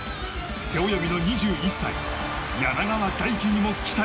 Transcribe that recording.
背泳ぎの２１歳柳川大樹にも期待。